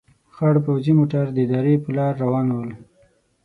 خړ پوځي موټر د درې په لار روان ول.